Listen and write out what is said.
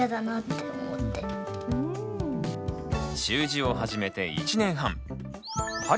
習字を始めて１年半。